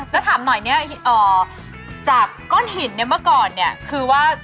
แต่ถามหน่อยเนี่ยจากก้อนหินเมื่อก่อนคือว่า